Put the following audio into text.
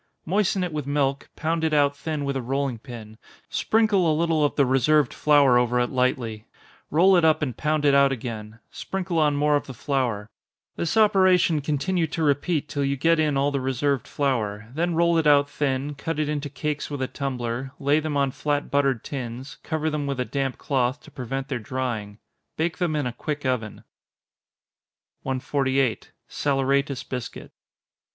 Moisten it with milk, pound it out thin with a rolling pin, sprinkle a little of the reserved flour over it lightly roll it up and pound it out again, sprinkle on more of the flour this operation continue to repeat till you get in all the reserved flour then roll it out thin, cut it into cakes with a tumbler, lay them on flat buttered tins, cover them with a damp cloth, to prevent their drying. Bake them in a quick oven. 148. _Saleratus Biscuit.